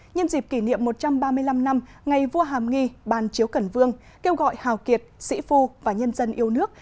nhân dịp kỷ niệm một trăm ba mươi năm năm ngày vua hàm nghi ban chiếu cần vương kêu gọi hào kiệt sĩ phu và nhân dân yêu nước